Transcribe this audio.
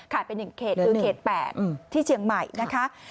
ไป๑เขตคือเขต๘ที่เชียงใหม่นะคะ